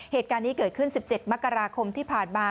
เหตุการณ์นี้เกิดขึ้น๑๗มกราคมที่ผ่านมา